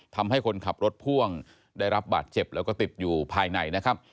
ทำให้คนขับรถพ่วงได้รับบาดเจ็บแล้วก็ติดอยู่ภายในนะครับ